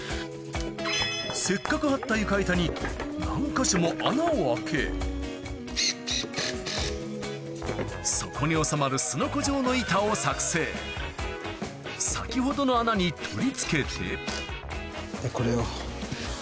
せっかく張った床板に何か所も穴を開けそこに収まるすのこ状の板を作製先ほどの穴に取り付けてこれを。